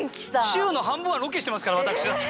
週の半分はロケしてますから私だって。